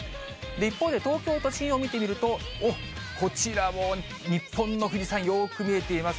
一方で東京都心を見てみると、おっ、こちらも日本の富士山、よく見えています。